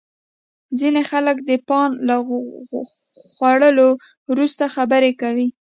ځینې خلک د پان له خوړلو وروسته خبرې کوي.